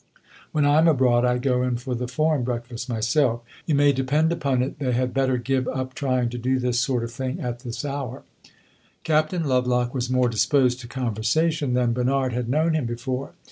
When I am abroad, I go in for the foreign breakfast myself. You may depend upon it they had better give up trying to do this sort of thing at this hour." Captain Lovelock was more disposed to conversation than Bernard had known him before.